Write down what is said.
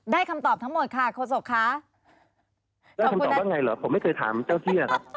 ได้คำตอบว่าไงหรอบผมไม่เคยถามเจ้าพี่อะครับ